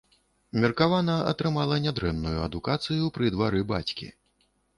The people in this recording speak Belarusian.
Меркавана атрымала нядрэнную адукацыю пры двары бацькі.